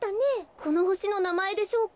このほしのなまえでしょうか？